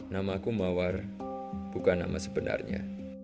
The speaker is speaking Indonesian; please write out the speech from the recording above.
nama aku mawar bukan nama sebenarnya